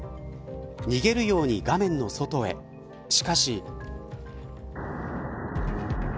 逃げるように画面の外へしかし。